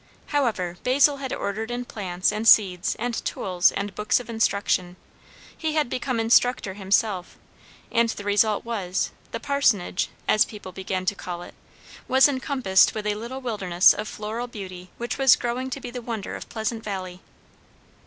However, Basil had ordered in plants and seeds and tools and books of instruction; he had become instructor himself; and the result was, the parsonage, as people began to call it, was encompassed with a little wilderness of floral beauty which was growing to be the wonder of Pleasant Valley.